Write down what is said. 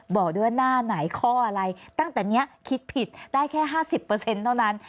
บอกด้วยหน้าไหนข้ออะไรตั้งแต่นี้คิดผิดได้แค่ห้าสิบเปอร์เซ็นต์เท่านั้น